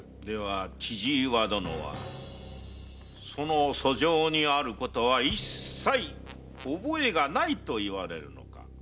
では千々岩殿はその訴状にあることは一切覚えがないと言われるのか？